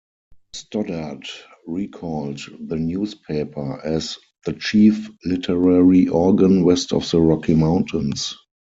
Stoddard recalled the newspaper as "the chief literary organ west of the Rocky Mountains".